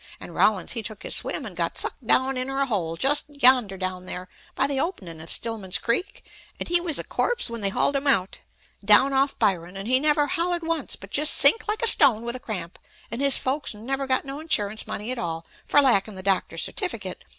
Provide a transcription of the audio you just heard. An' Rollins he took his swim and got sucked down inter a hole just yonder down there, by the openin' of Stillman's Creek, and he was a corpse when they hauled him out, down off Byron; an' he never hollered once but jist sunk like a stone with a cramp; an' his folks never got no 'nsurance money at all, for lackin' the doctor's c'tificate.